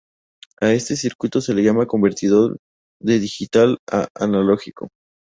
A este circuito se le llama convertidor de digital a analógico.